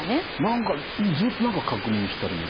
何かずっと何か確認したり見たり。